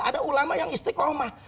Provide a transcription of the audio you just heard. ada ulama yang istiqomah